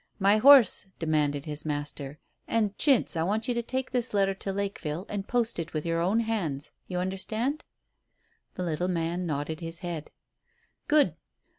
"My horse!" demanded his master. "And, Chintz, I want you to take this letter to Lakeville and post it with your own hands. You understand?" The little man nodded his head. "Good!"